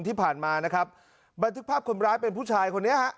ที่ผ่านมานะครับบันทึกภาพคนร้ายเป็นผู้ชายคนนี้ฮะ